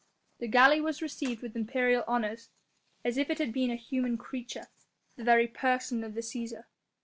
The galley was received with imperial honours as if it had been a human creature the very person of the Cæsar.